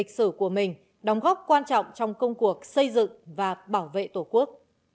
lịch sử của mình đóng góp quan trọng trong công cuộc xây dựng và bảo vệ tổ quốc